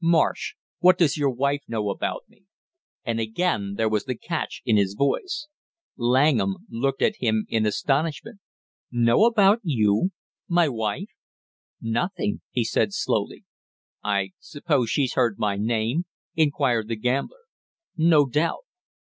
"Marsh, what does your wife know about me?" And again there was the catch to his voice. Langham looked at him in astonishment. "Know about you my wife nothing," he said slowly. "I suppose she's heard my name?" inquired the gambler. "No doubt."